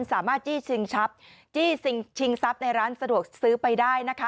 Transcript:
สามารถจี้ซิงชับจี้ซิงชิงทรัพย์ในร้านสะดวกซื้อไปได้นะคะ